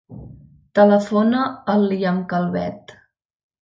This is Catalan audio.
Telefona al Liam Calvet.